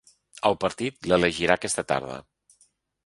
El partit l’elegirà aquesta tarda.